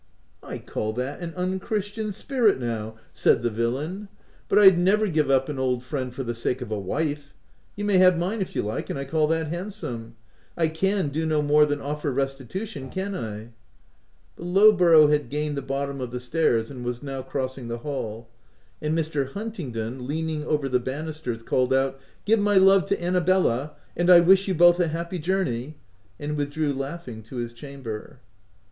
H I call that an unchristian spirit now/' said 22 THE TENANT the villain. " But I'd never give up an old friend for the sake of a wife. You may have mine if you like, and I call that handsome — I can do no more than offer restitution, can I V* But Lowborough had gained the bottom of the stairs, and was now crossing the hall ; and Mr. Huntingdon, leaning over the banisters, called out, — u Give my love to Annabella !— and I wish you both a happy journey," and withdrew laughing to his chamber.